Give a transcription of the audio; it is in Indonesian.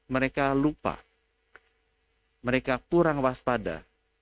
mereka lupa mereka kurang waspada